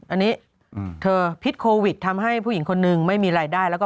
อันนี้เธอพิษโควิดทำให้ผู้หญิงคนนึงไม่มีรายได้แล้วก็